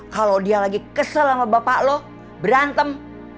kalau dia lagi kesel sama bapak lo berantem